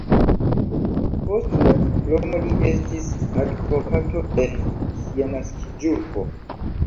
Post la diplomo li estis advokato en sia naskiĝurbo.